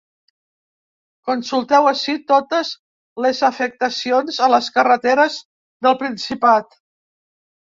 Consulteu ací totes les afectacions a les carreteres del Principat.